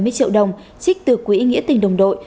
bảy mươi triệu đồng trích từ quỹ nghĩa tỉnh đồng đội